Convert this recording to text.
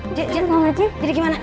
udah jadi gimana